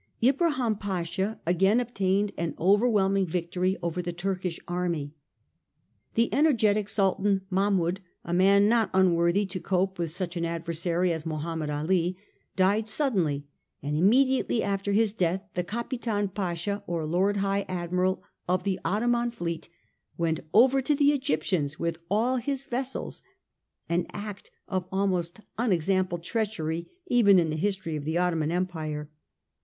Ibrahim Pasha again obtained an overwhelming victory over the Turkish army. The energetic Sultan Mahmoud, a man not unworthy to cope with such an adversary as Mohammed Ali, died suddenly ; and immediately after his death the Capitan Pasha, or Lord High Admiral of the Ottoman fleet, went over to the Egyptians with all his vessels ; an act of almost unexampled treachery even in the history of the Ottoman Empire.